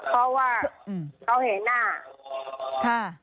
เพราะว่าเขาเห็นหน้าค่ะ